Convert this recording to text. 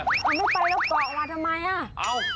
มันไม่ไปแล้วบอกว่าทำไม